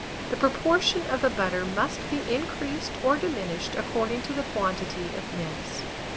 (The proportion of the butter must be increased or diminished according to the quantity of mince.)